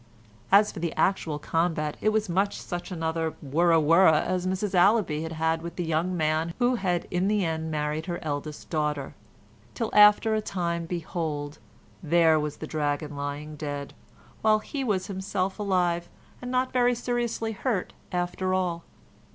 As for the actual combat it was much such another wurra wurra as Mrs Allaby had had with the young man who had in the end married her eldest daughter, till after a time behold, there was the dragon lying dead, while he was himself alive and not very seriously hurt after all.